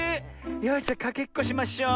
よしじゃかけっこしましょう。